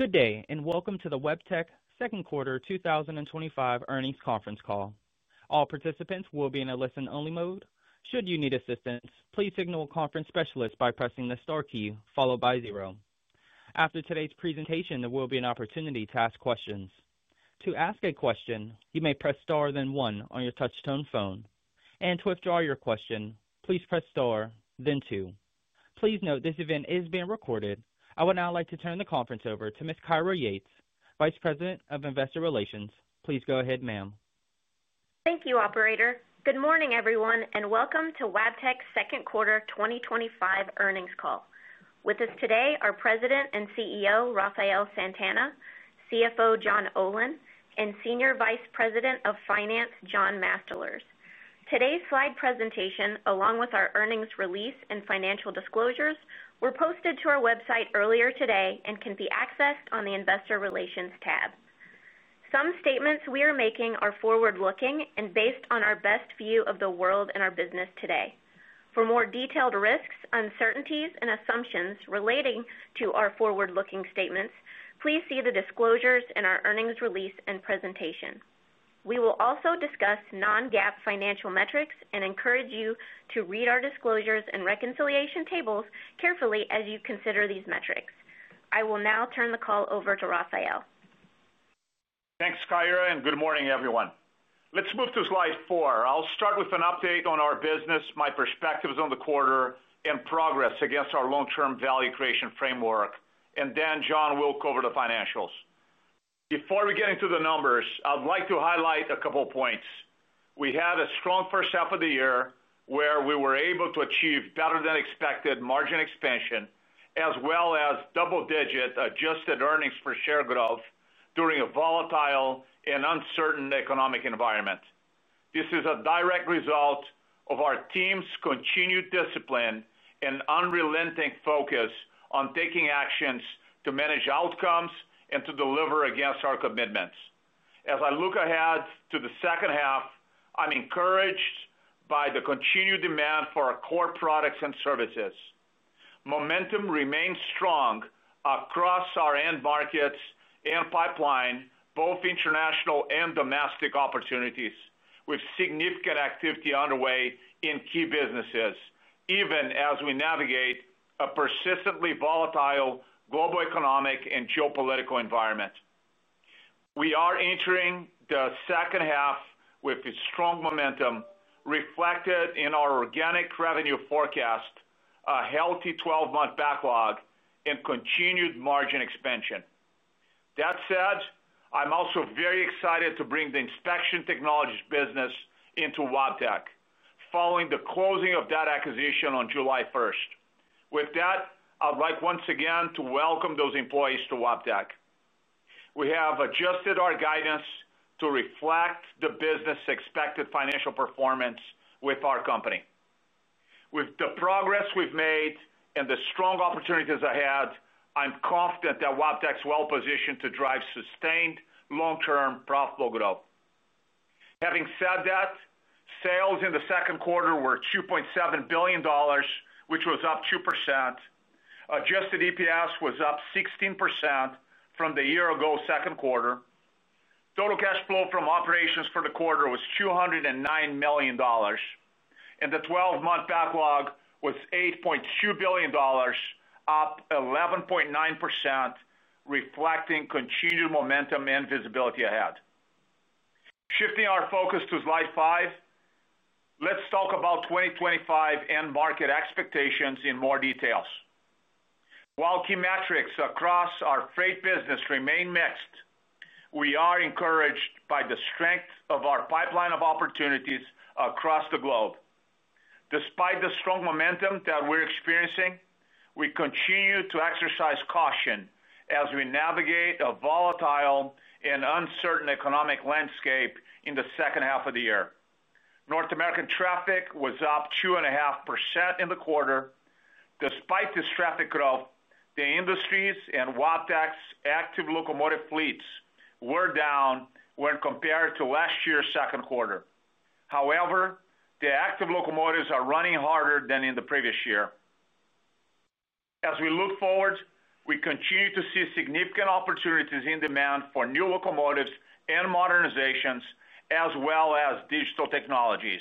Good day, and welcome to the Wabtec Second Quarter 2025 Earnings Conference Call. All participants will be in a listen-only mode. Should you need assistance, please signal a conference specialist by pressing the star key followed by zero. After today's presentation, there will be an opportunity to ask questions. To ask a question, you may press star then one on your touch-tone phone. To withdraw your question, please press star then two. Please note this event is being recorded. I would now like to turn the conference over to Ms. Kyra Yates, Vice President of Investor Relations. Please go ahead, ma'am. Thank you, Operator. Good morning, everyone, and welcome to Wabtec Second Quarter 2025 Earnings Call. With us today are President and CEO Rafael Santana, CFO John Olin, and Senior Vice President of Finance John Mastalerz. Today's slide presentation, along with our earnings release and financial disclosures, were posted to our website earlier today and can be accessed on the Investor Relations tab. Some statements we are making are forward-looking and based on our best view of the world and our business today. For more detailed risks, uncertainties, and assumptions relating to our forward-looking statements, please see the disclosures in our earnings release and presentation. We will also discuss non-GAAP financial metrics and encourage you to read our disclosures and reconciliation tables carefully as you consider these metrics. I will now turn the call over to Rafael. Thanks, Kyra, and good morning, everyone. Let's move to slide four. I'll start with an update on our business, my perspectives on the quarter, and progress against our long-term value creation framework, and then John will go over the financials. Before we get into the numbers, I'd like to highlight a couple of points. We had a strong first half of the year where we were able to achieve better-than-expected margin expansion, as well as double-digit adjusted earnings per share growth during a volatile and uncertain economic environment. This is a direct result of our team's continued discipline and unrelenting focus on taking actions to manage outcomes and to deliver against our commitments. As I look ahead to the second half, I'm encouraged by the continued demand for our core products and services. Momentum remains strong across our end markets and pipeline, both international and domestic opportunities, with significant activity underway in key businesses, even as we navigate a persistently volatile global economic and geopolitical environment. We are entering the second half with strong momentum reflected in our organic revenue forecast, a healthy 12-month backlog, and continued margin expansion. That said, I'm also very excited to bring the Inspection Technologies business into Wabtec following the closing of that acquisition on July 1st. With that, I'd like once again to welcome those employees to Wabtec. We have adjusted our guidance to reflect the business' expected financial performance with our company. With the progress we've made and the strong opportunities ahead, I'm confident that Wabtec's well-positioned to drive sustained, long-term, profitable growth. Having said that, sales in the second quarter were $2.7 billion, which was up 2%. Adjusted EPS was up 16% from the year-ago second quarter. Total cash flow from operations for the quarter was $209 million. And the 12-month backlog was $8.2 billion. Up 11.9%, reflecting continued momentum and visibility ahead. Shifting our focus to slide five, let's talk about 2025 end market expectations in more detail. While key metrics across our freight business remain mixed, we are encouraged by the strength of our pipeline of opportunities across the globe. Despite the strong momentum that we're experiencing, we continue to exercise caution as we navigate a volatile and uncertain economic landscape in the second half of the year. North American traffic was up 2.5% in the quarter. Despite this traffic growth, the industries and Wabtec's active locomotive fleets were down when compared to last year's second quarter. However, the active locomotives are running harder than in the previous year. As we look forward, we continue to see significant opportunities in demand for new locomotives and modernizations, as well as digital technologies,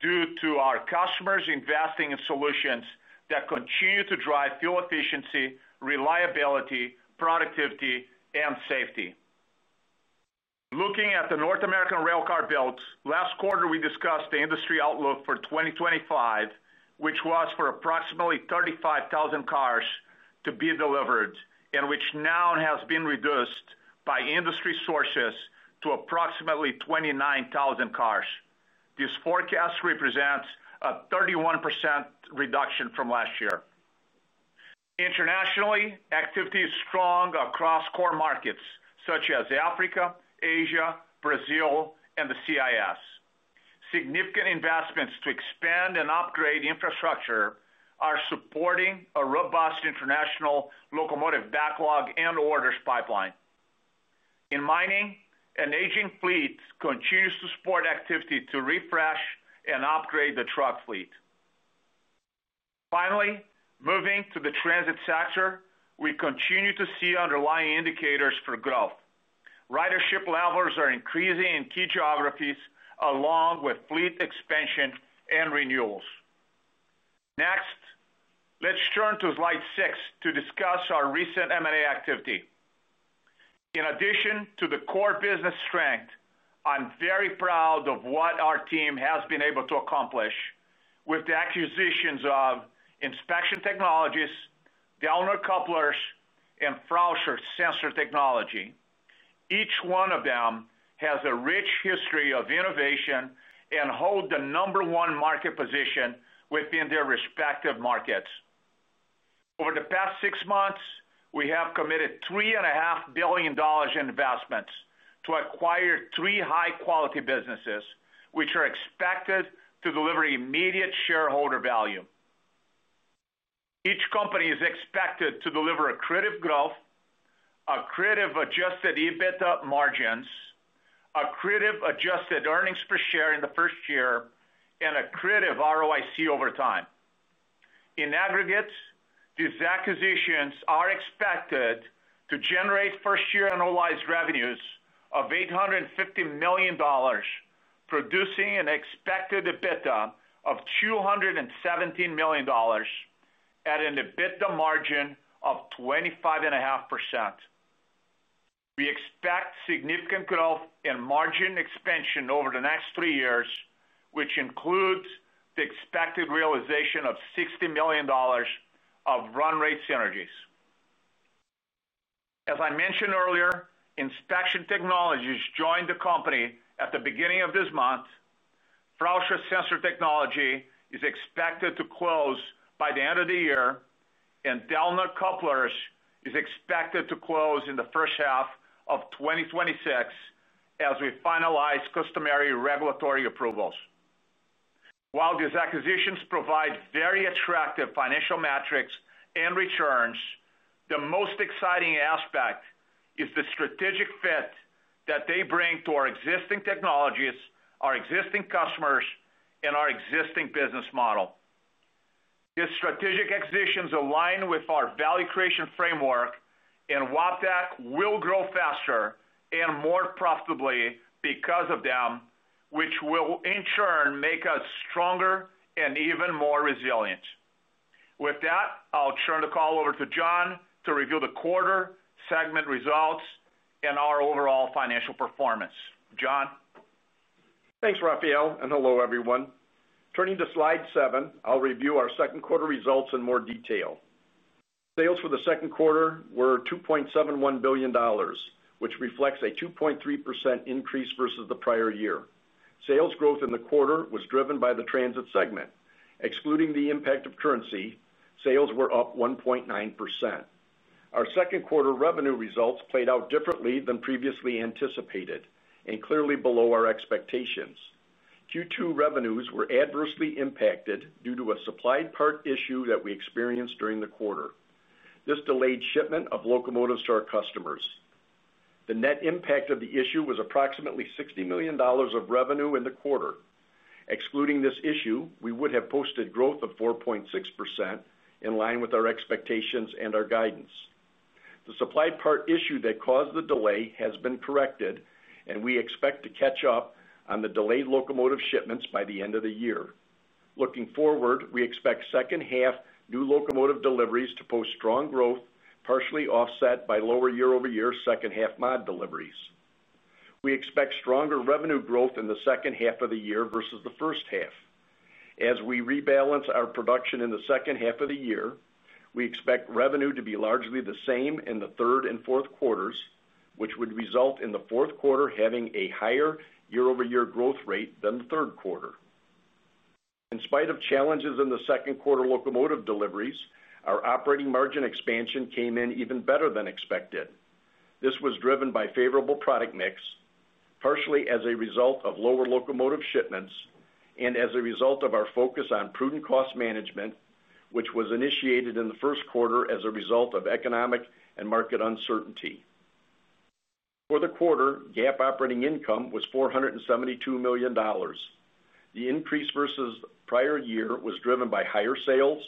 due to our customers investing in solutions that continue to drive fuel efficiency, reliability, productivity, and safety. Looking at the North American railcar builds, last quarter we discussed the industry outlook for 2025, which was for approximately 35,000 cars to be delivered, and which now has been reduced by industry sources to approximately 29,000 cars. This forecast represents a 31% reduction from last year. Internationally, activity is strong across core markets such as Africa, Asia, Brazil, and the CIS. Significant investments to expand and upgrade infrastructure are supporting a robust international locomotive backlog and orders pipeline. In mining, an aging fleet continues to support activity to refresh and upgrade the truck fleet. Finally, moving to the transit sector, we continue to see underlying indicators for growth. Ridership levels are increasing in key geographies, along with fleet expansion and renewals. Next, let's turn to slide six to discuss our recent M&A activity. In addition to the core business strength, I'm very proud of what our team has been able to accomplish with the acquisitions of Inspection Technologies, Dellner Couplers, and Frauscher Sensor Technology. Each one of them has a rich history of innovation and holds the number one market position within their respective markets. Over the past six months, we have committed $3.5 billion in investments to acquire three high-quality businesses, which are expected to deliver immediate shareholder value. Each company is expected to deliver accretive growth, accretive adjusted EBITDA margins, accretive adjusted earnings per share in the first year, and accretive ROIC over time. In aggregate, these acquisitions are expected to generate first-year annualized revenues of $850 million, producing an expected EBITDA of $217 million at an EBITDA margin of 25.5%. We expect significant growth in margin expansion over the next three years, which includes the expected realization of $60 million of run-rate synergies. As I mentioned earlier, Inspection Technologies joined the company at the beginning of this month. Frauscher Sensor Technology is expected to close by the end of the year, and Dellner Couplers is expected to close in the first half of 2026 as we finalize customary regulatory approvals. While these acquisitions provide very attractive financial metrics and returns, the most exciting aspect is the strategic fit that they bring to our existing technologies, our existing customers, and our existing business model. These strategic acquisitions align with our value creation framework, and Wabtec will grow faster and more profitably because of them, which will in turn make us stronger and even more resilient. With that, I'll turn the call over to John to review the quarter segment results and our overall financial performance. John. Thanks, Rafael. Hello, everyone. Turning to slide seven, I'll review our second quarter results in more detail. Sales for the second quarter were $2.71 billion, which reflects a 2.3% increase versus the prior year. Sales growth in the quarter was driven by the transit segment. Excluding the impact of currency, sales were up 1.9%. Our second quarter revenue results played out differently than previously anticipated and clearly below our expectations. Q2 revenues were adversely impacted due to a supply part issue that we experienced during the quarter. This delayed shipment of locomotives to our customers. The net impact of the issue was approximately $60 million of revenue in the quarter. Excluding this issue, we would have posted growth of 4.6% in line with our expectations and our guidance. The supply part issue that caused the delay has been corrected, and we expect to catch up on the delayed locomotive shipments by the end of the year. Looking forward, we expect second half new locomotive deliveries to post strong growth, partially offset by lower year-over-year second half MOD deliveries. We expect stronger revenue growth in the second half of the year versus the first half. As we rebalance our production in the second half of the year, we expect revenue to be largely the same in the third and fourth quarters, which would result in the fourth quarter having a higher year-over-year growth rate than the third quarter. In spite of challenges in the second quarter locomotive deliveries, our operating margin expansion came in even better than expected. This was driven by favorable product mix, partially as a result of lower locomotive shipments, and as a result of our focus on prudent cost management, which was initiated in the first quarter as a result of economic and market uncertainty. For the quarter, GAAP operating income was $472 million. The increase versus the prior year was driven by higher sales,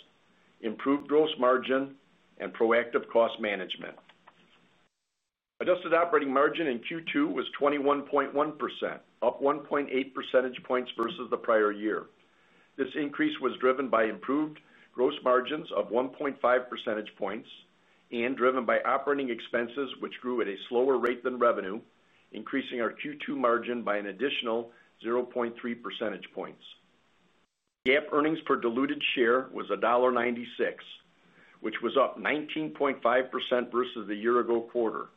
improved gross margin, and proactive cost management. Adjusted operating margin in Q2 was 21.1%, up 1.8 percentage points versus the prior year. This increase was driven by improved gross margins of 1.5 percentage points and driven by operating expenses, which grew at a slower rate than revenue, increasing our Q2 margin by an additional 0.3 percentage points. GAAP earnings per diluted share was $1.96, which was up 19.5% versus the year-ago quarter.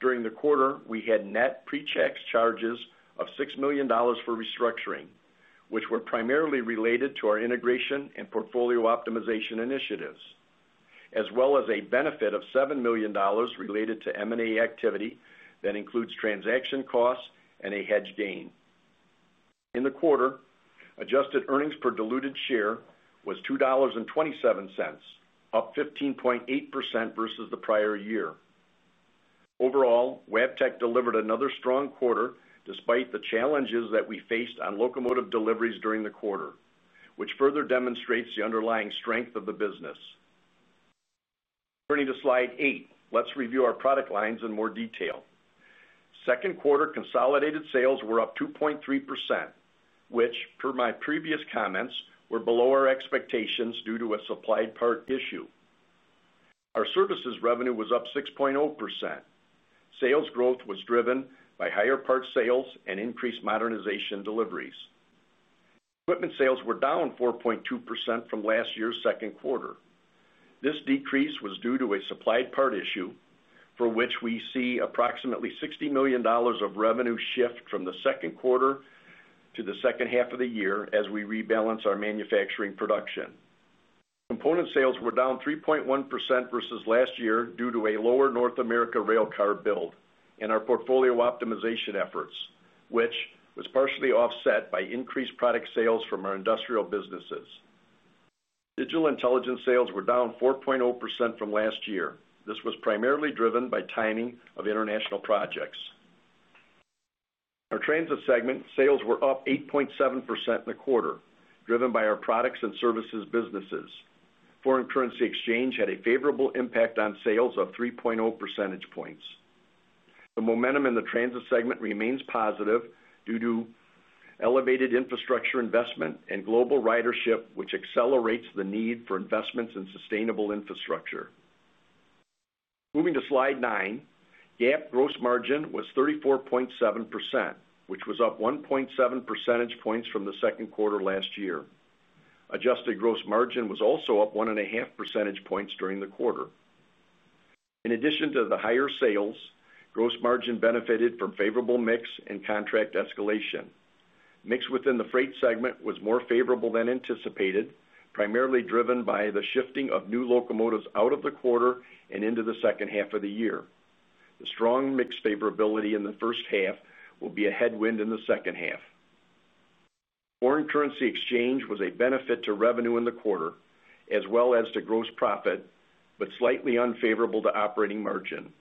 During the quarter, we had net pre-checks charges of $6 million for restructuring, which were primarily related to our integration and portfolio optimization initiatives, as well as a benefit of $7 million related to M&A activity that includes transaction costs and a hedge gain. In the quarter, adjusted earnings per diluted share was $2.27, up 15.8% versus the prior year. Overall, Wabtec delivered another strong quarter despite the challenges that we faced on locomotive deliveries during the quarter, which further demonstrates the underlying strength of the business. Turning to slide eight, let's review our product lines in more detail. Second quarter consolidated sales were up 2.3%, which, per my previous comments, were below our expectations due to a supply part issue. Our services revenue was up 6.0%. Sales growth was driven by higher part sales and increased modernization deliveries. Equipment sales were down 4.2% from last year's second quarter. This decrease was due to a supply part issue, for which we see approximately $60 million of revenue shift from the second quarter to the second half of the year as we rebalance our manufacturing production. Component sales were down 3.1% versus last year due to a lower North America railcar build and our portfolio optimization efforts, which was partially offset by increased product sales from our industrial businesses. Digital intelligence sales were down 4.0% from last year. This was primarily driven by timing of international projects. Our transit segment sales were up 8.7% in the quarter, driven by our products and services businesses. Foreign currency exchange had a favorable impact on sales of 3.0 percentage points. The momentum in the transit segment remains positive due to elevated infrastructure investment and global ridership, which accelerates the need for investments in sustainable infrastructure. Moving to slide nine, GAAP gross margin was 34.7%, which was up 1.7 percentage points from the second quarter last year. Adjusted gross margin was also up 1.5 percentage points during the quarter. In addition to the higher sales, gross margin benefited from favorable mix and contract escalation. Mix within the freight segment was more favorable than anticipated, primarily driven by the shifting of new locomotives out of the quarter and into the second half of the year. The strong mix favorability in the first half will be a headwind in the second half. Foreign currency exchange was a benefit to revenue in the quarter, as well as to gross profit, but slightly unfavorable to operating margin.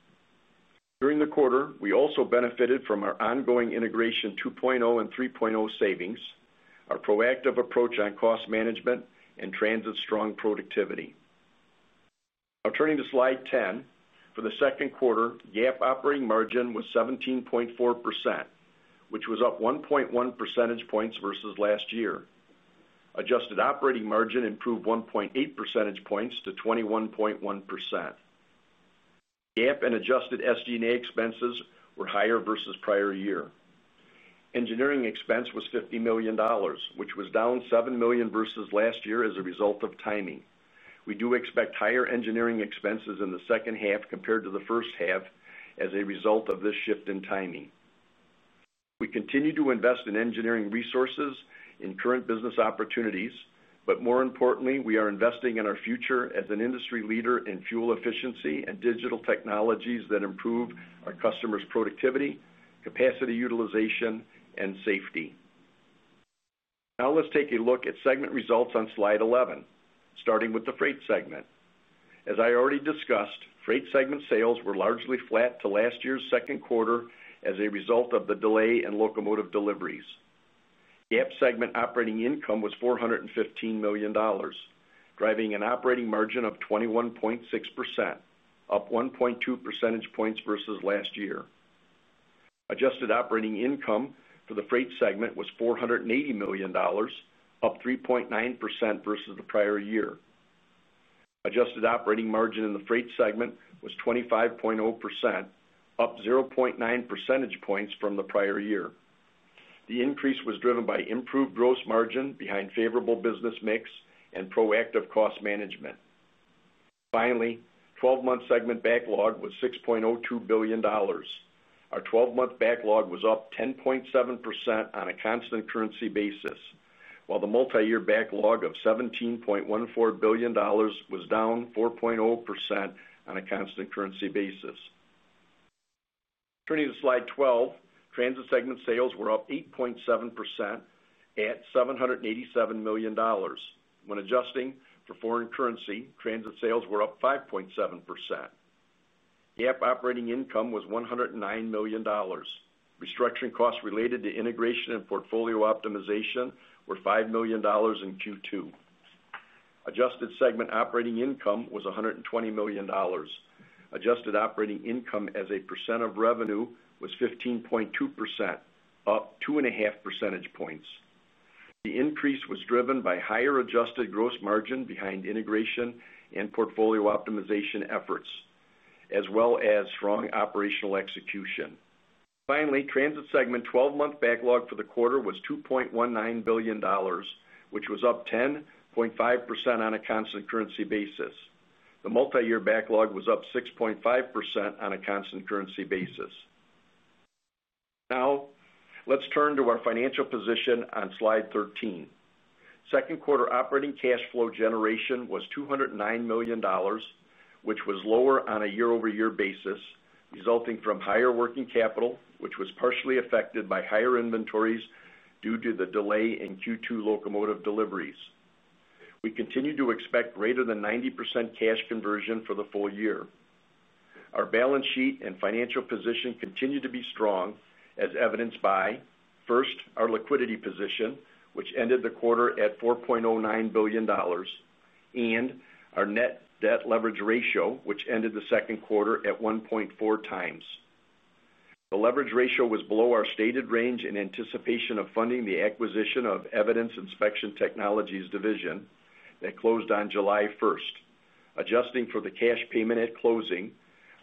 During the quarter, we also benefited from our ongoing integration 2.0 and 3.0 savings, our proactive approach on cost management, and transit strong productivity. Now, turning to slide 10, for the second quarter, GAAP operating margin was 17.4%, which was up 1.1 percentage points versus last year. Adjusted operating margin improved 1.8 percentage points to 21.1%. GAAP and adjusted SG&A expenses were higher versus prior year. Engineering expense was $50 million, which was down $7 million versus last year as a result of timing. We do expect higher engineering expenses in the second half compared to the first half as a result of this shift in timing. We continue to invest in engineering resources in current business opportunities, but more importantly, we are investing in our future as an industry leader in fuel efficiency and digital technologies that improve our customers' productivity, capacity utilization, and safety. Now, let's take a look at segment results on slide 11, starting with the freight segment. As I already discussed, freight segment sales were largely flat to last year's second quarter as a result of the delay in locomotive deliveries. GAAP segment operating income was $415 million, driving an operating margin of 21.6%, up 1.2 percentage points versus last year. Adjusted operating income for the freight segment was $480 million, up 3.9% versus the prior year. Adjusted operating margin in the freight segment was 25.0%, up 0.9 percentage points from the prior year. The increase was driven by improved gross margin behind favorable business mix and proactive cost management. Finally, 12-month segment backlog was $6.02 billion. Our 12-month backlog was up 10.7% on a constant currency basis, while the multi-year backlog of $17.14 billion was down 4.0% on a constant currency basis. Turning to slide 12, transit segment sales were up 8.7% at $787 million. When adjusting for foreign currency, transit sales were up 5.7%. GAAP operating income was $109 million. Restructuring costs related to integration and portfolio optimization were $5 million in Q2. Adjusted segment operating income was $120 million. Adjusted operating income as a percent of revenue was 15.2%, up 2.5 percentage points. The increase was driven by higher adjusted gross margin behind integration and portfolio optimization efforts, as well as strong operational execution. Finally, transit segment 12-month backlog for the quarter was $2.19 billion, which was up 10.5% on a constant currency basis. The multi-year backlog was up 6.5% on a constant currency basis. Now, let's turn to our financial position on slide 13. Second quarter operating cash flow generation was $209 million, which was lower on a year-over-year basis, resulting from higher working capital, which was partially affected by higher inventories due to the delay in Q2 locomotive deliveries. We continue to expect greater than 90% cash conversion for the full year. Our balance sheet and financial position continue to be strong, as evidenced by, first, our liquidity position, which ended the quarter at $4.09 billion, and our net debt leverage ratio, which ended the second quarter at 1.4x. The leverage ratio was below our stated range in anticipation of funding the acquisition of Evident Inspection Technologies division. That closed on July 1st. Adjusting for the cash payment at closing,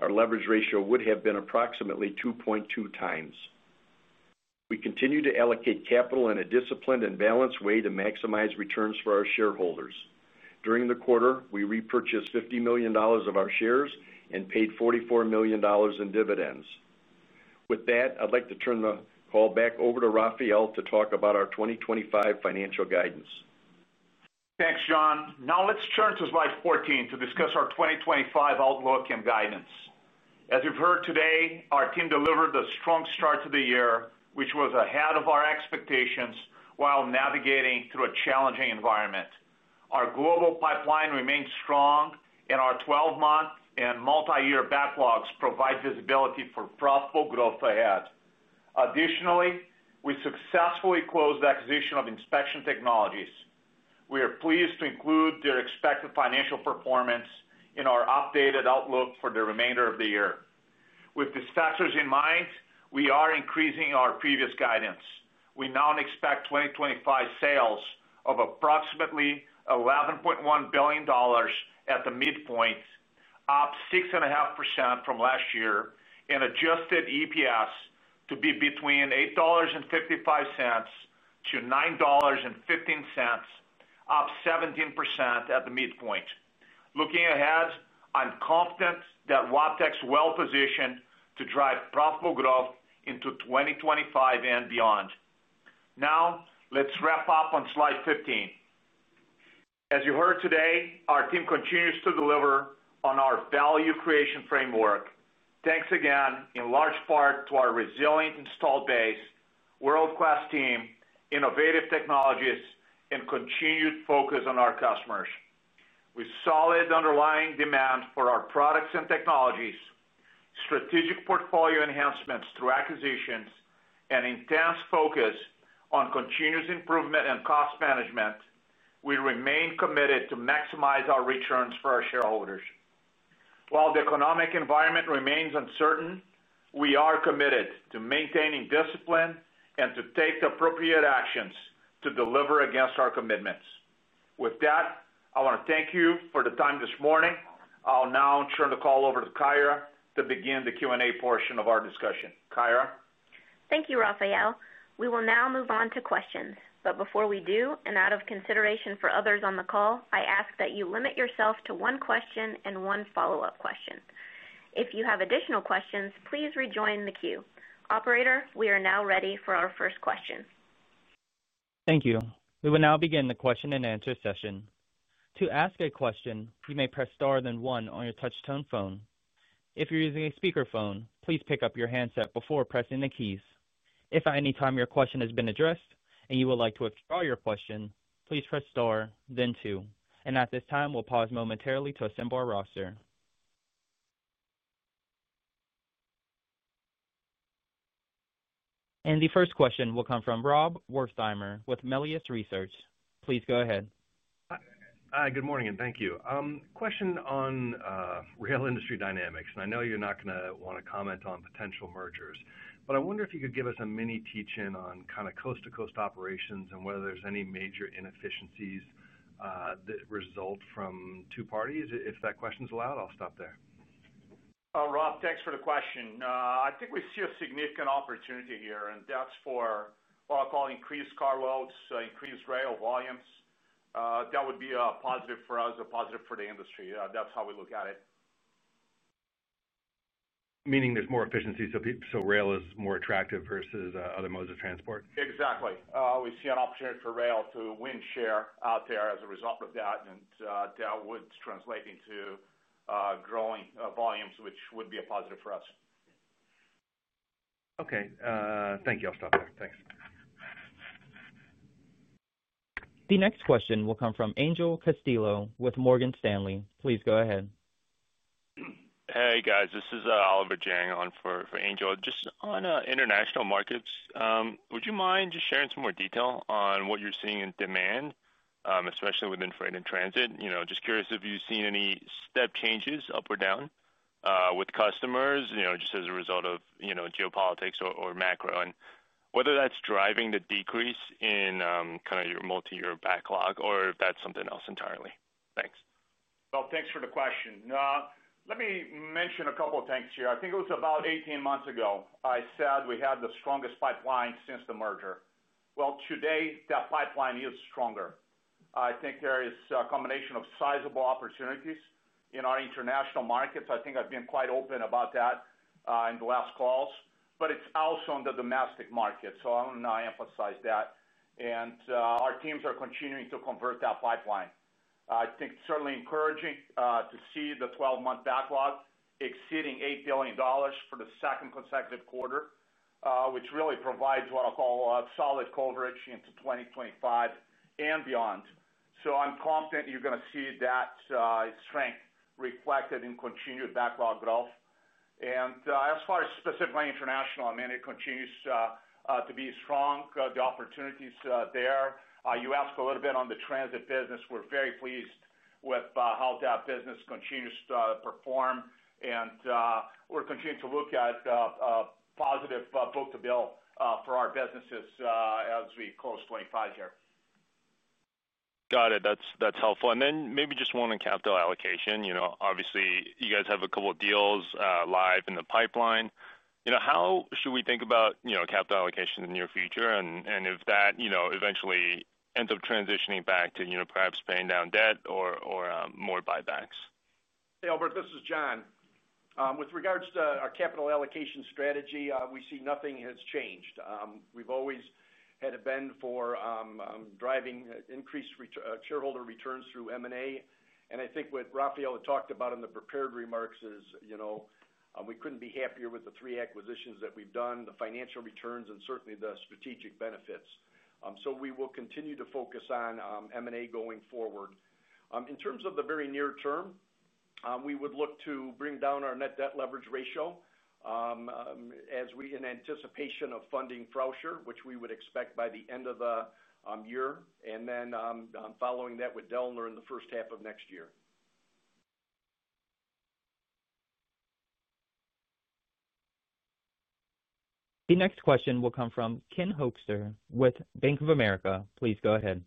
our leverage ratio would have been approximately 2.2x. We continue to allocate capital in a disciplined and balanced way to maximize returns for our shareholders. During the quarter, we repurchased $50 million of our shares and paid $44 million in dividends. With that, I'd like to turn the call back over to Rafael to talk about our 2025 financial guidance. Thanks, John. Now, let's turn to slide 14 to discuss our 2025 outlook and guidance. As you've heard today, our team delivered a strong start to the year, which was ahead of our expectations while navigating through a challenging environment. Our global pipeline remains strong, and our 12-month and multi-year backlogs provide visibility for profitable growth ahead. Additionally, we successfully closed the acquisition of Inspection Technologies. We are pleased to include their expected financial performance in our updated outlook for the remainder of the year. With these factors in mind, we are increasing our previous guidance. We now expect 2025 sales of approximately $11.1 billion at the midpoint, up 6.5% from last year, and adjusted EPS to be between $8.55-$9.15, up 17% at the midpoint. Looking ahead, I'm confident that Wabtec's well-positioned to drive profitable growth into 2025 and beyond. Now, let's wrap up on slide 15. As you heard today, our team continues to deliver on our value creation framework, thanks again, in large part, to our resilient installed base, World Quest team, innovative technologies, and continued focus on our customers. With solid underlying demand for our products and technologies, strategic portfolio enhancements through acquisitions, and intense focus on continuous improvement and cost management, we remain committed to maximize our returns for our shareholders. While the economic environment remains uncertain, we are committed to maintaining discipline and to take the appropriate actions to deliver against our commitments. With that, I want to thank you for the time this morning. I'll now turn the call over to Kyra to begin the Q&A portion of our discussion. Kyra? Thank you, Rafael. We will now move on to questions. Before we do, and out of consideration for others on the call, I ask that you limit yourself to one question and one follow-up question. If you have additional questions, please rejoin the queue. Operator, we are now ready for our first question. Thank you. We will now begin the question-and-answer session. To ask a question, you may press star then one on your touch-tone phone. If you're using a speakerphone, please pick up your handset before pressing the keys. If at any time your question has been addressed and you would like to withdraw your question, please press star, then two. At this time, we'll pause momentarily to assemble our roster. The first question will come from Rob Wertheimer with Melius Research. Please go ahead. Hi. Good morning and thank you. Question on rail industry dynamics. I know you're not going to want to comment on potential mergers, but I wonder if you could give us a mini teach-in on kind of coast-to-coast operations and whether there's any major inefficiencies that result from two parties. If that question's allowed, I'll stop there. Rob, thanks for the question. I think we see a significant opportunity here, and that's for what I call increased car loads, increased rail volumes. That would be a positive for us, a positive for the industry. That's how we look at it. Meaning there's more efficiency, so rail is more attractive versus other modes of transport? Exactly. We see an opportunity for rail to win share out there as a result of that, and that would translate into growing volumes, which would be a positive for us. Okay. Thank you. I'll stop there. Thanks. The next question will come from Angel Castillo with Morgan Stanley. Please go ahead. Hey, guys. This is Oliver Jiang on for Angel. Just on international markets, would you mind just sharing some more detail on what you're seeing in demand, especially within freight and transit? Just curious if you've seen any step changes up or down with customers just as a result of geopolitics or macro, and whether that's driving the decrease in kind of your multi-year backlog or if that's something else entirely. Thanks. Thanks for the question. Let me mention a couple of things here. I think it was about 18 months ago, I said we had the strongest pipeline since the merger. Today, that pipeline is stronger. I think there is a combination of sizable opportunities in our international markets. I think I've been quite open about that in the last calls, but it's also in the domestic market. I want to emphasize that. Our teams are continuing to convert that pipeline. I think it's certainly encouraging to see the 12-month backlog exceeding $8 billion for the second consecutive quarter, which really provides what I call solid coverage into 2025 and beyond. I'm confident you're going to see that strength reflected in continued backlog growth. As far as specifically international, I mean, it continues to be strong. The opportunities there. You asked a little bit on the transit business. We're very pleased with how that business continues to perform, and we're continuing to look at positive book to bill for our businesses as we close 2025 here. Got it. That's helpful. Maybe just one on capital allocation. Obviously, you guys have a couple of deals live in the pipeline. How should we think about capital allocation in the near future, and if that eventually ends up transitioning back to perhaps paying down debt or more buybacks? Hey Oliver, this is John. With regards to our capital allocation strategy, we see nothing has changed. We've always had a bent for driving increased shareholder returns through M&A. I think what Rafael had talked about in the prepared remarks is we couldn't be happier with the three acquisitions that we've done, the financial returns, and certainly the strategic benefits. We will continue to focus on M&A going forward. In terms of the very near term, we would look to bring down our net debt leverage ratio in anticipation of funding Frauscher, which we would expect by the end of the year, and then following that with Dellner in the first half of next year. The next question will come from Ken Hoexter with Bank of America. Please go ahead.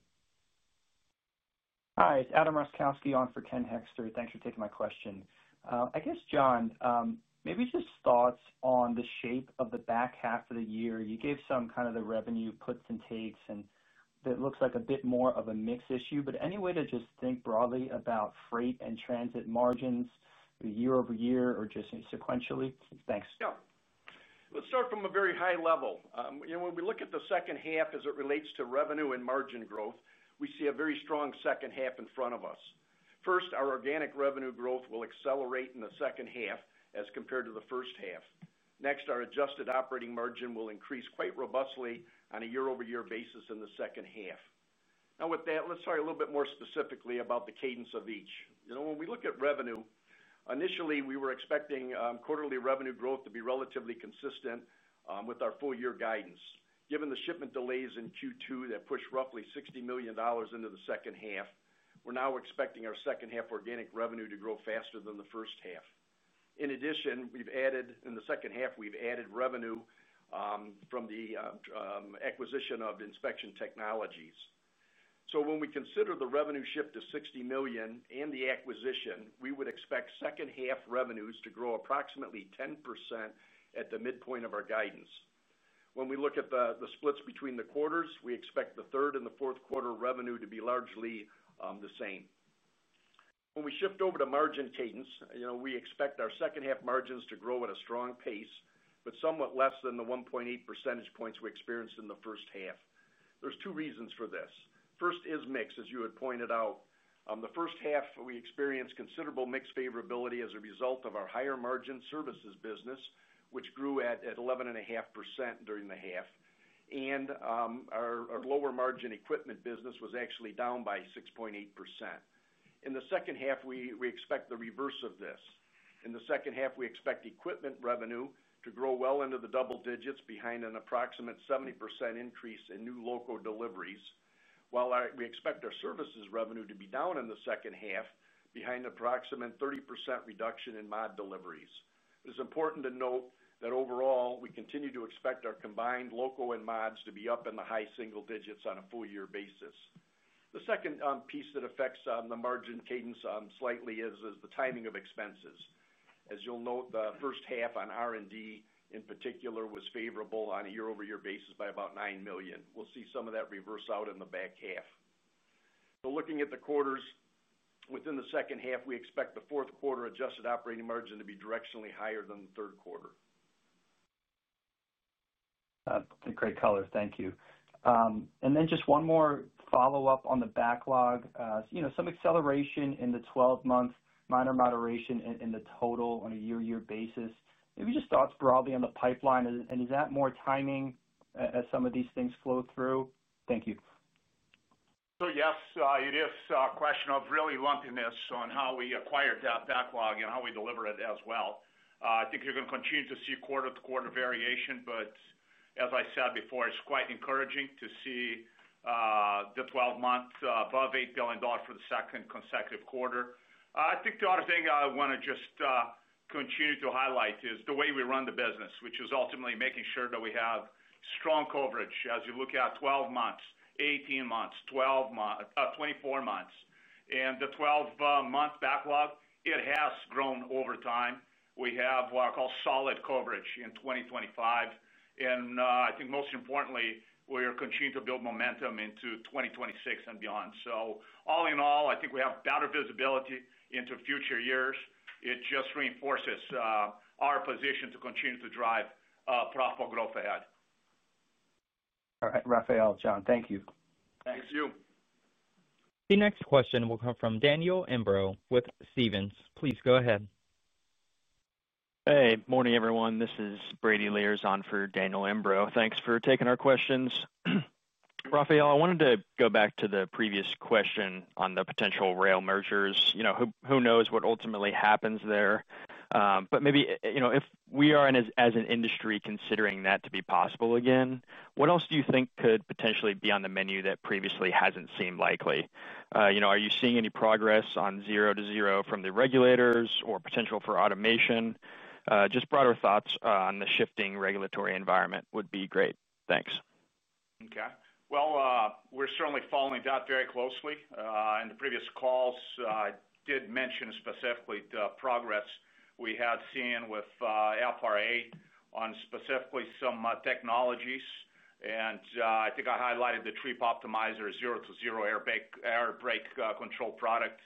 Hi, it's Adam Roszkowski on for Ken Hoexster. Thanks for taking my question. I guess, John, maybe just thoughts on the shape of the back half of the year. You gave some kind of the revenue puts and takes, and it looks like a bit more of a mix issue. Any way to just think broadly about freight and transit margins, year-over-year or just sequentially? Thanks. Yeah. Let's start from a very high level. When we look at the second half as it relates to revenue and margin growth, we see a very strong second half in front of us. First, our organic revenue growth will accelerate in the second half as compared to the first half. Next, our adjusted operating margin will increase quite robustly on a year-over-year basis in the second half. Now, with that, let's talk a little bit more specifically about the cadence of each. When we look at revenue, initially, we were expecting quarterly revenue growth to be relatively consistent with our full-year guidance. Given the shipment delays in Q2 that pushed roughly $60 million into the second half, we're now expecting our second-half organic revenue to grow faster than the first half. In addition, in the second half, we've added revenue from the acquisition of Inspection Technologies. So when we consider the revenue shift to $60 million and the acquisition, we would expect second-half revenues to grow approximately 10% at the midpoint of our guidance. When we look at the splits between the quarters, we expect the third and the fourth quarter revenue to be largely the same. When we shift over to margin cadence, we expect our second-half margins to grow at a strong pace, but somewhat less than the 1.8 percentage points we experienced in the first half. There's two reasons for this. First is mix, as you had pointed out. The first half, we experienced considerable mix favorability as a result of our higher margin services business, which grew at 11.5% during the half. And our lower margin equipment business was actually down by 6.8%. In the second half, we expect the reverse of this. In the second half, we expect equipment revenue to grow well into the double-digits behind an approximate 70% increase in new loco deliveries, while we expect our services revenue to be down in the second half behind an approximate 30% reduction in MOD deliveries. It is important to note that overall, we continue to expect our combined loco and MODs to be up in the high single-digits on a full-year basis. The second piece that affects the margin cadence slightly is the timing of expenses. As you'll note, the first half on R&D, in particular, was favorable on a year-over-year basis by about $9 million. We'll see some of that reverse out in the back half. Looking at the quarters, within the second half, we expect the fourth quarter adjusted operating margin to be directionally higher than the third quarter. Great color. Thank you. Just one more follow-up on the backlog. Some acceleration in the 12-month, minor moderation in the total on a year-over-year basis. Maybe just thoughts broadly on the pipeline. Is that more timing as some of these things flow through? Thank you. Yes, it is a question of really lumpiness on how we acquired that backlog and how we deliver it as well. I think you're going to continue to see quarter-to-quarter variation, but as I said before, it's quite encouraging to see the 12-month above $8 billion for the second consecutive quarter. I think the other thing I want to just continue to highlight is the way we run the business, which is ultimately making sure that we have strong coverage as you look at 12 months, 18 months, 24 months. The 12-month backlog, it has grown over time. We have what I call solid coverage in 2025. I think most importantly, we are continuing to build momentum into 2026 and beyond. All in all, I think we have better visibility into future years. It just reinforces our position to continue to drive profitable growth ahead. All right. Rafael, John, thank you. Thanks. You. The next question will come from Daniel Imbro with Stephens. Please go ahead. Hey. Morning, everyone. This is Brady Lierz on for Daniel Imbro. Thanks for taking our questions. Rafael, I wanted to go back to the previous question on the potential rail mergers. Who knows what ultimately happens there? If we are as an industry considering that to be possible again, what else do you think could potentially be on the menu that previously has not seemed likely? Are you seeing any progress on Zero-to-Zero from the regulators or potential for automation? Just broader thoughts on the shifting regulatory environment would be great. Thanks. Okay. We're certainly following that very closely. In the previous calls, I did mention specifically the progress we have seen with FRA on specifically some technologies. I think I highlighted the Trip Optimizer Zero-to-Zero Air Brake Control product.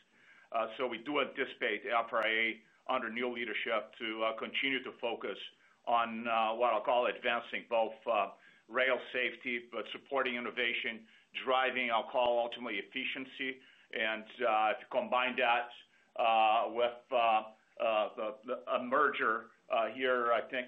We do anticipate FRA under new leadership to continue to focus on what I'll call advancing both rail safety, but supporting innovation, driving, I'll call ultimately efficiency. If you combine that with a merger here, I think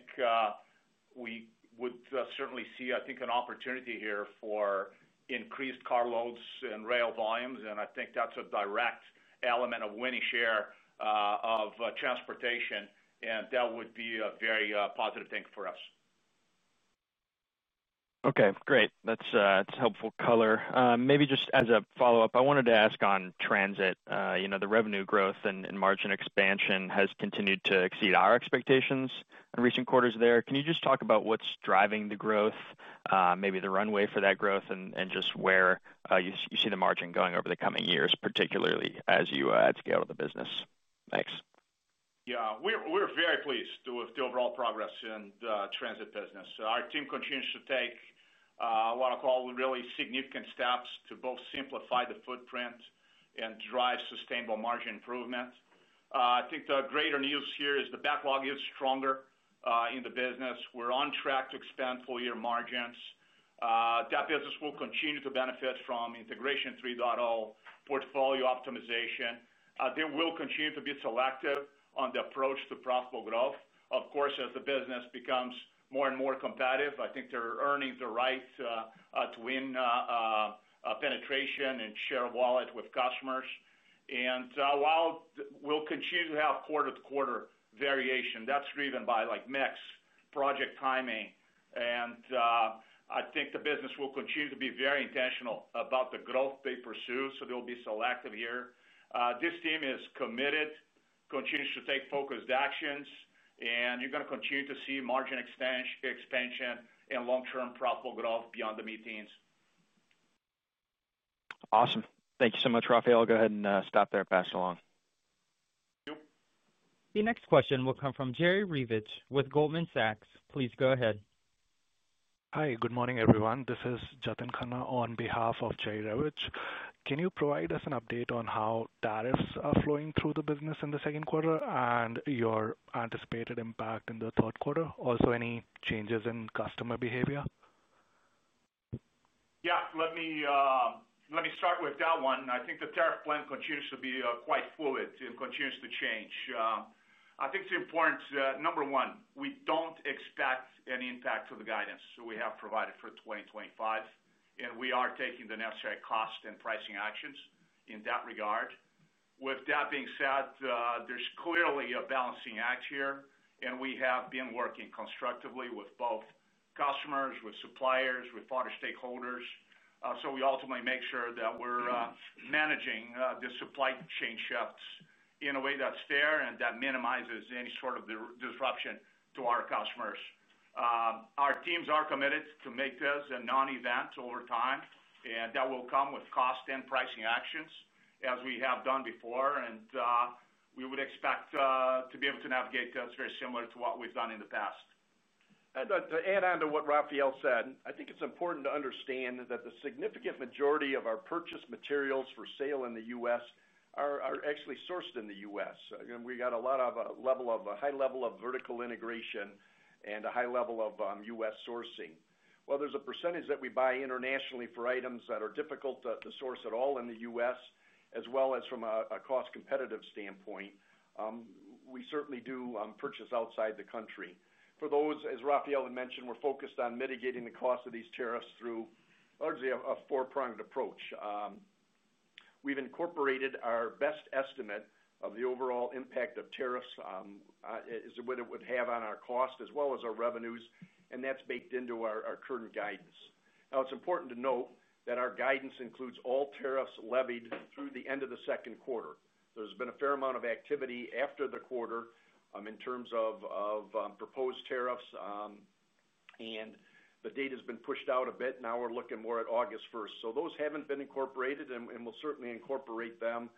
we would certainly see, I think, an opportunity here for increased car loads and rail volumes. I think that's a direct element of winning share of transportation. That would be a very positive thing for us. Okay. Great. That's helpful color. Maybe just as a follow-up, I wanted to ask on transit. The revenue growth and margin expansion has continued to exceed our expectations in recent quarters there. Can you just talk about what's driving the growth, maybe the runway for that growth, and just where you see the margin going over the coming years, particularly as you add scale to the business? Thanks. Yeah. We're very pleased with the overall progress in the transit business. Our team continues to take what I call really significant steps to both simplify the footprint and drive sustainable margin improvement. I think the greater news here is the backlog is stronger in the business. We're on track to expand full-year margins. That business will continue to benefit from integration 3.0, portfolio optimization. They will continue to be selective on the approach to profitable growth. Of course, as the business becomes more and more competitive, I think they're earning the right to win. Penetration and share of wallet with customers. While we'll continue to have quarter-to-quarter variation, that's driven by mixed project timing. I think the business will continue to be very intentional about the growth they pursue, so they'll be selective here. This team is committed, continues to take focused actions, and you're going to continue to see margin expansion and long-term profitable growth beyond the meetings. Awesome. Thank you so much, Rafael. Go ahead and stop there, pass it along. Thank you. The next question will come from Jerry Revich with Goldman Sachs. Please go ahead. Hi. Good morning, everyone. This is Jatin Khanna on behalf of Jerry Revich. Can you provide us an update on how tariffs are flowing through the business in the second quarter and your anticipated impact in the third quarter? Also, any changes in customer behavior? Yeah. Let me start with that one. I think the tariff plan continues to be quite fluid and continues to change. I think it's important. Number one, we don't expect any impact to the guidance we have provided for 2025, and we are taking the necessary cost and pricing actions in that regard. With that being said, there's clearly a balancing act here, and we have been working constructively with both customers, with suppliers, with other stakeholders. We ultimately make sure that we're managing the supply chain shifts in a way that's fair and that minimizes any sort of disruption to our customers. Our teams are committed to make this a non-event over time, and that will come with cost and pricing actions as we have done before. We would expect to be able to navigate that very similar to what we've done in the past. To add on to what Rafael said, I think it's important to understand that the significant majority of our purchased materials for sale in the U.S. are actually sourced in the U.S. We got a high level of vertical integration and a high level of U.S. sourcing. While there's a percentage that we buy internationally for items that are difficult to source at all in the U.S., as well as from a cost competitive standpoint, we certainly do purchase outside the country. For those, as Rafael had mentioned, we're focused on mitigating the cost of these tariffs through largely a four-pronged approach. We've incorporated our best estimate of the overall impact of tariffs, what it would have on our cost as well as our revenues, and that's baked into our current guidance. Now, it's important to note that our guidance includes all tariffs levied through the end of the second quarter. There's been a fair amount of activity after the quarter in terms of proposed tariffs, and the date has been pushed out a bit. Now we're looking more at August 1st. Those haven't been incorporated, and we'll certainly incorporate them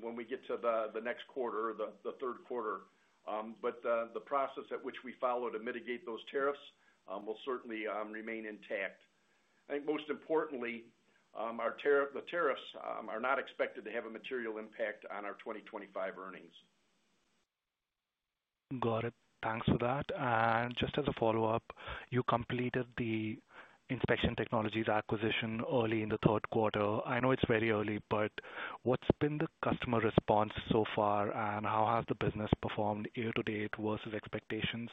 when we get to the next quarter, the third quarter. The process at which we follow to mitigate those tariffs will certainly remain intact. I think most importantly, the tariffs are not expected to have a material impact on our 2025 earnings. Got it. Thanks for that. Just as a follow-up, you completed the Inspection Technologies acquisition early in the third quarter. I know it's very early, but what's been the customer response so far, and how has the business performed year-to-date versus expectations?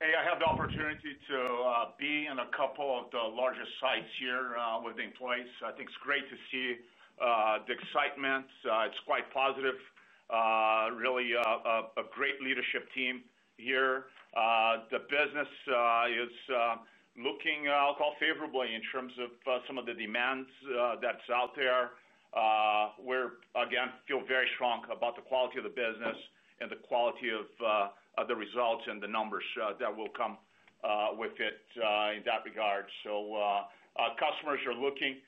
Hey, I had the opportunity to be in a couple of the largest sites here with the employees. I think it's great to see the excitement. It's quite positive. Really a great leadership team here. The business is looking, I'll call, favorably in terms of some of the demands that's out there. We, again, feel very strong about the quality of the business and the quality of the results and the numbers that will come with it in that regard. Customers are looking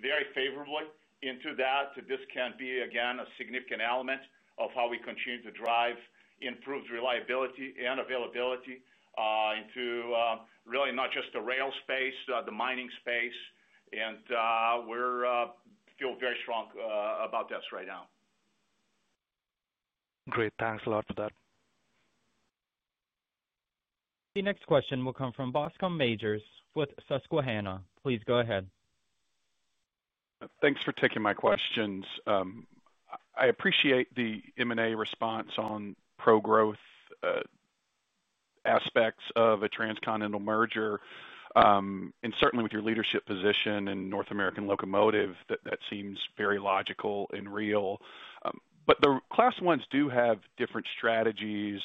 very favorably into that. This can be, again, a significant element of how we continue to drive improved reliability and availability into really not just the rail space, the mining space. We feel very strong about this right now. Great. Thanks a lot for that. The next question will come from Bascome Majors with Susquehanna. Please go ahead. Thanks for taking my questions. I appreciate the M&A response on pro-growth aspects of a transcontinental merger. Certainly with your leadership position in North American locomotive, that seems very logical and real. The class ones do have different strategies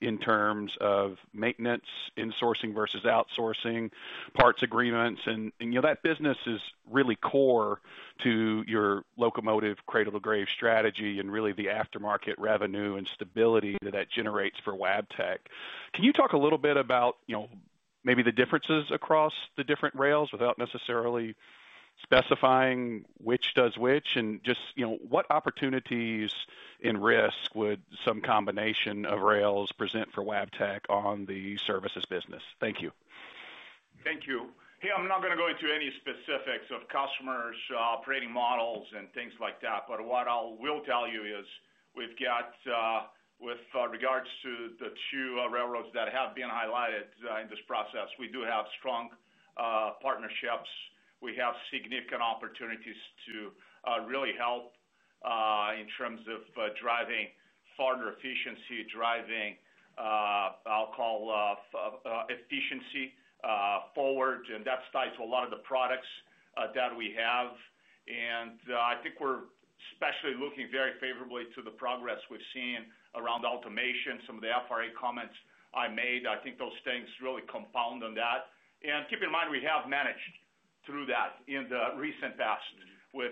in terms of maintenance in sourcing versus outsourcing parts agreements. That business is really core to your locomotive cradle-to-grave strategy and really the aftermarket revenue and stability that that generates for Wabtec. Can you talk a little bit about maybe the differences across the different rails without necessarily specifying which does which and just what opportunities and risks would some combination of rails present for Wabtec on the services business? Thank you. Thank you. Here, I'm not going to go into any specifics of customers' operating models and things like that. What I will tell you is we've got, with regards to the two railroads that have been highlighted in this process, we do have strong partnerships. We have significant opportunities to really help in terms of driving farther efficiency, driving, I'll call, efficiency forward. That's tied to a lot of the products that we have. I think we're especially looking very favorably to the progress we've seen around automation. Some of the FRA comments I made, I think those things really compound on that. Keep in mind, we have managed through that in the recent past with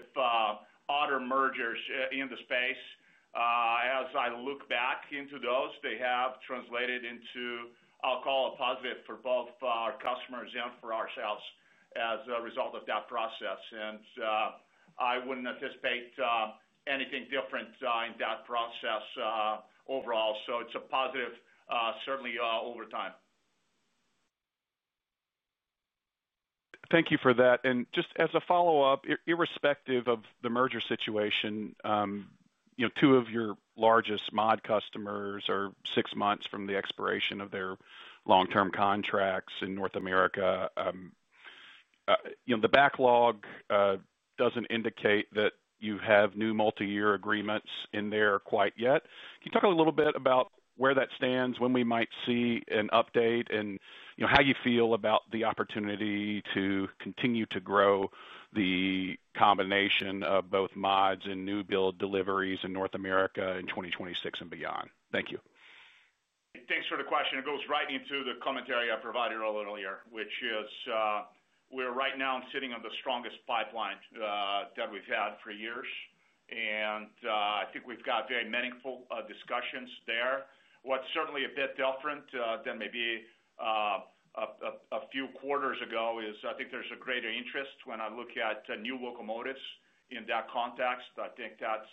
other mergers in the space. As I look back into those, they have translated into, I'll call it, positive for both our customers and for ourselves as a result of that process. I wouldn't anticipate anything different in that process overall. It's a positive, certainly over time. Thank you for that. Just as a follow-up, irrespective of the merger situation, two of your largest MOD customers are six months from the expiration of their long-term contracts in North America. The backlog does not indicate that you have new multi-year agreements in there quite yet. Can you talk a little bit about where that stands, when we might see an update, and how you feel about the opportunity to continue to grow the combination of both MODs and new build deliveries in North America in 2026 and beyond? Thank you. Thanks for the question. It goes right into the commentary I provided earlier, which is. We're right now sitting on the strongest pipeline that we've had for years. I think we've got very meaningful discussions there. What's certainly a bit different than maybe a few quarters ago is I think there's a greater interest when I look at new locomotives in that context. I think that's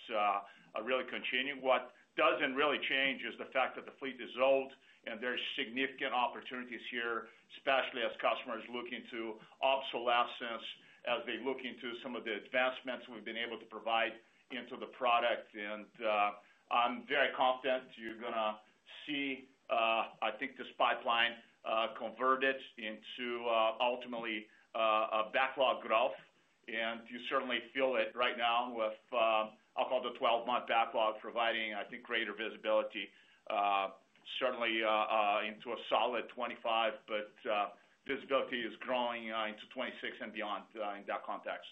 really continuing. What doesn't really change is the fact that the fleet is old and there's significant opportunities here, especially as customers look into obsolescence, as they look into some of the advancements we've been able to provide into the product. I'm very confident you're going to see, I think, this pipeline converted into ultimately backlog growth. You certainly feel it right now with, I'll call it, the 12-month backlog providing, I think, greater visibility. Certainly into a solid 2025, but visibility is growing into 2026 and beyond in that context.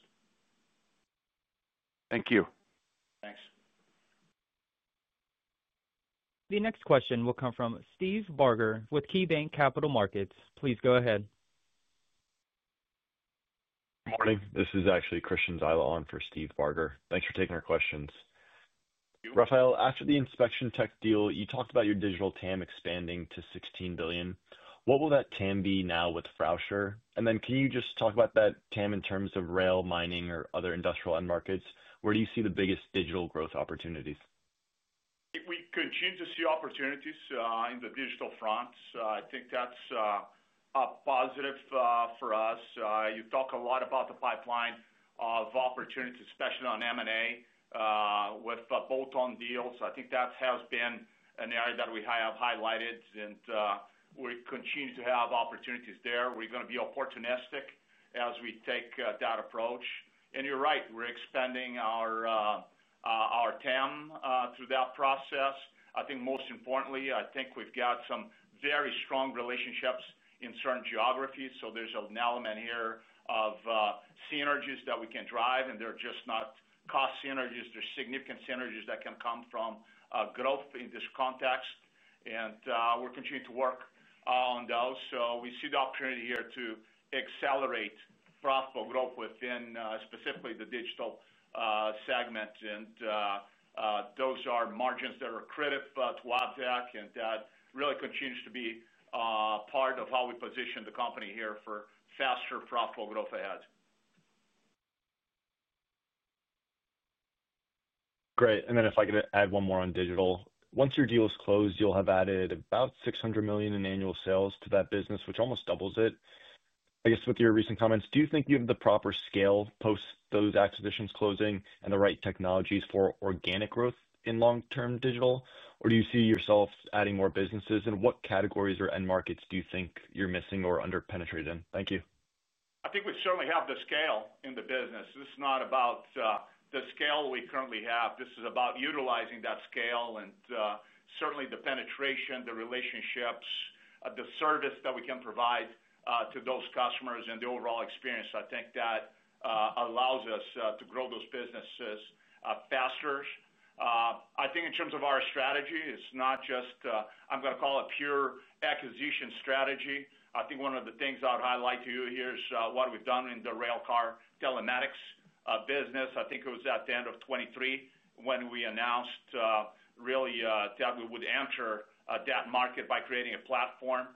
Thank you. Thanks. The next question will come from Steve Barger with KeyBanc Capital Markets. Please go ahead. Good morning. This is actually Christian Zyla for Steve Barger. Thanks for taking our questions. Rafael, after the Inspection Tech deal, you talked about your digital TAM expanding to $16 billion. What will that TAM be now with Frauscher And then can you just talk about that TAM in terms of rail, mining, or other industrial end markets? Where do you see the biggest digital growth opportunities? We continue to see opportunities in the digital front. I think that's a positive for us. You talk a lot about the pipeline of opportunity, especially on M&A with bolt-on deals. I think that has been an area that we have highlighted, and we continue to have opportunities there. We're going to be opportunistic as we take that approach. You're right. We're expanding our TAM through that process. I think most importantly, we've got some very strong relationships in certain geographies. There's an element here of synergies that we can drive, and they're just not cost synergies. There's significant synergies that can come from growth in this context. We're continuing to work on those. We see the opportunity here to accelerate profitable growth within specifically the digital segment. Those are margins that are critical to Wabtec, and that really continues to be part of how we position the company here for faster profitable growth ahead. Great. If I could add one more on digital. Once your deal is closed, you'll have added about $600 million in annual sales to that business, which almost doubles it. I guess with your recent comments, do you think you have the proper scale post those acquisitions closing and the right technologies for organic growth in long-term digital? Do you see yourself adding more businesses? What categories or end markets do you think you're missing or under-penetrated in? Thank you. I think we certainly have the scale in the business. This is not about the scale we currently have. This is about utilizing that scale and certainly the penetration, the relationships, the service that we can provide to those customers and the overall experience. I think that allows us to grow those businesses faster. I think in terms of our strategy, it's not just, I'm going to call it, pure acquisition strategy. I think one of the things I'd highlight to you here is what we've done in the railcar telematics business. I think it was at the end of 2023 when we announced really that we would enter that market by creating a platform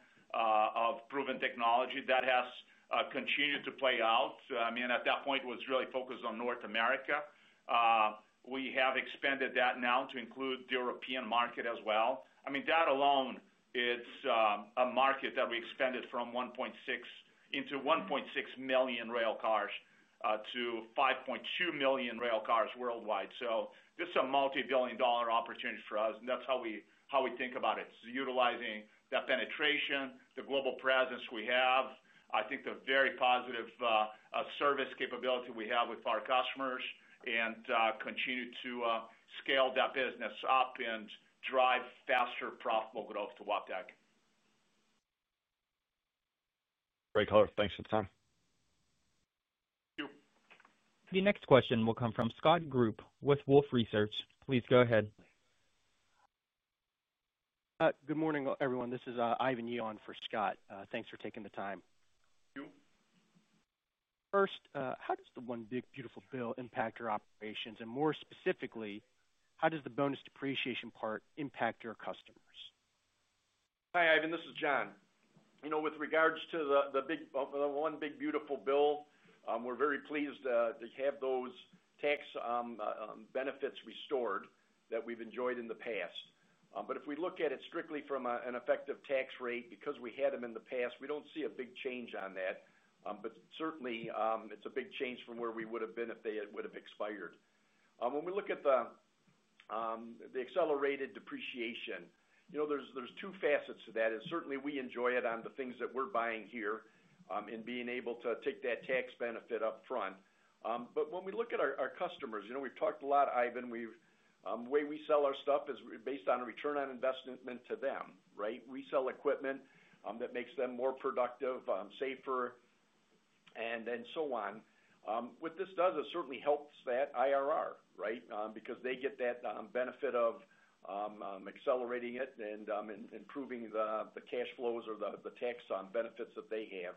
of proven technology that has continued to play out. I mean, at that point, it was really focused on North America. We have expanded that now to include the European market as well. I mean, that alone, it's a market that we expanded from 1.6 million railcars to 5.2 million railcars worldwide. This is a multi-billion dollar opportunity for us. That's how we think about it. It's utilizing that penetration, the global presence we have, I think the very positive service capability we have with our customers, and continue to scale that business up and drive faster profitable growth to Wabtec. Great color. Thanks for the time. Thank you. The next question will come from Scott Group with Wolfe Research. Please go ahead. Good morning, everyone. This is Ivan Yi on for Scott. Thanks for taking the time. First, how does the one big, beautiful bill impact your operations? More specifically, how does the bonus depreciation part impact your customers? Hi, Ivan. This is John. With regards to the one big, beautiful bill, we're very pleased to have those tax benefits restored that we've enjoyed in the past. If we look at it strictly from an effective tax rate, because we had them in the past, we don't see a big change on that. Certainly, it's a big change from where we would have been if they would have expired. When we look at the accelerated depreciation, there's two facets to that. Certainly, we enjoy it on the things that we're buying here and being able to take that tax benefit upfront. When we look at our customers, we've talked a lot, Ivan. The way we sell our stuff is based on a return on investment to them, right? We sell equipment that makes them more productive, safer, and so on. What this does is certainly helps that IRR, right? Because they get that benefit of accelerating it and improving the cash flows or the tax benefits that they have.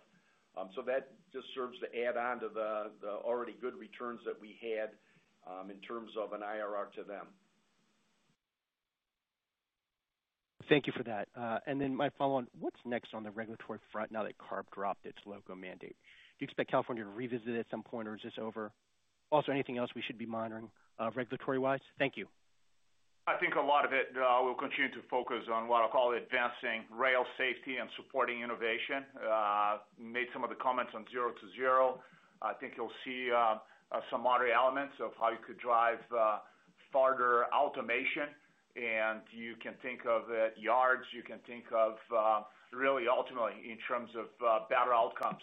That just serves to add on to the already good returns that we had in terms of an IRR to them. Thank you for that. And then my follow-on, what's next on the regulatory front now that CARB dropped its loco mandate? Do you expect California to revisit it at some point, or is this over? Also, anything else we should be monitoring regulatory-wise? Thank you. I think a lot of it will continue to focus on what I'll call advancing rail safety and supporting innovation. Made some of the comments on Zero-to-Zero. I think you'll see some moderate elements of how you could drive farther automation. You can think of yards. You can think of really ultimately in terms of better outcomes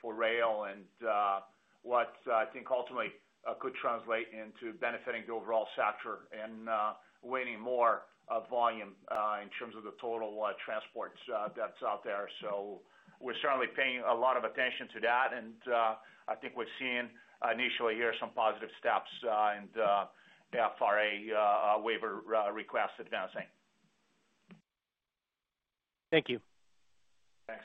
for rail and what I think ultimately could translate into benefiting the overall sector and winning more volume in terms of the total transport that's out there. We are certainly paying a lot of attention to that. I think we've seen initially here some positive steps and FRA waiver request advancing. Thank you. Thanks.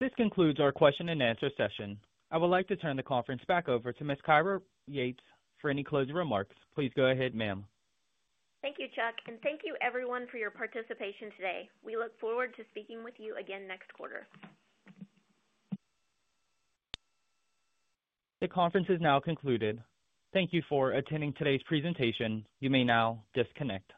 This concludes our question and answer session. I would like to turn the conference back over to Ms. Kyra Yates for any closing remarks. Please go ahead, ma'am. Thank you, Chuck. Thank you, everyone, for your participation today. We look forward to speaking with you again next quarter. The conference is now concluded. Thank you for attending today's presentation. You may now disconnect.